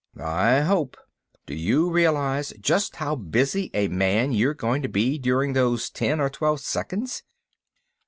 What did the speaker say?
"I hope. But do you realize just how busy a man you are going to be during those ten or twelve seconds?"